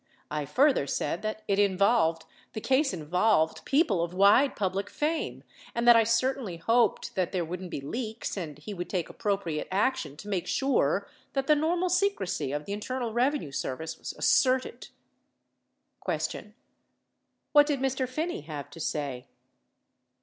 I further said that it involved, the case involved people of Avide public fame and that I certainly hoped that there wouldn't be leaks and he would take appropriate action to make sure that the normal secrecy of the Internal Revenue Service was asserted. Q. What did Mr. Phinney have to say